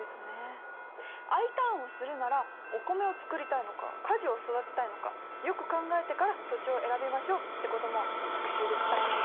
Ｉターンをするならお米を作りたいのか果樹を育てたいのかよく考えてから土地を選びましょうってことも特集で伝えないと。